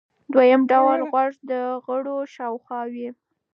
دویم ډول غوړ د غړو شاوخوا وي.